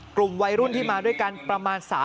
กลุ่มวัยรุ่นที่มาด้วยกันประมาณ